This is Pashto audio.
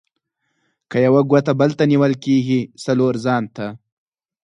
که یوه ګوته بل ته نيول کېږي؛ :څلور ځان ته.